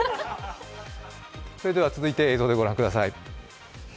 それでは続いて映像でご覧ください。